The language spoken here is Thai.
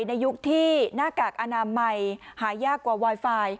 ยุคที่หน้ากากอนามัยหายากกว่าไวไฟ